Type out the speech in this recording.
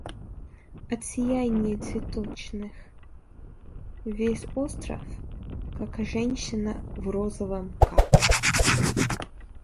От сияний цветочных весь остров, как женщина в розовом капоре.